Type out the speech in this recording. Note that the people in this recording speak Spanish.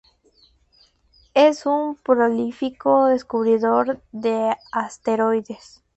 Es un prolífico descubridor de asteroides.